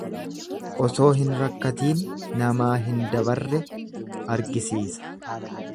Osoo hin rakkatiin namaa hin dabarree argisiisa.